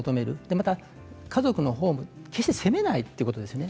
また家族のほうも決して責めないということですよね。